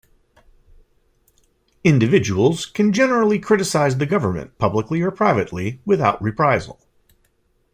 Individuals can generally criticize the government publicly or privately without reprisal.